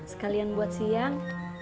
sekalian buat siang